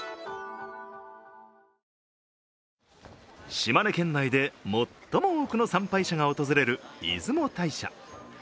島根県内で最も多くの参拝者が訪れる出雲大社。